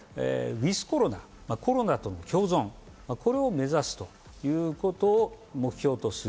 ｗｉｔｈコロナ、コロナとの共存を目指すということを目標とする。